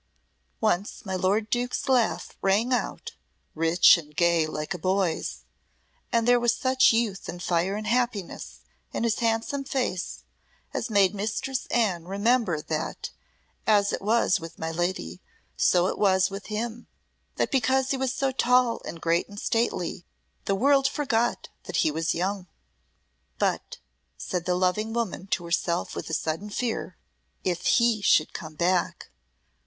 Once my lord Duke's laugh rang out, rich and gay like a boy's, and there was such youth and fire and happiness in his handsome face as made Mistress Anne remember that, as it was with my lady, so it was with him that because he was so tall and great and stately, the world forgot that he was young. "But," said the loving woman to herself with a sudden fear, "if he should come back.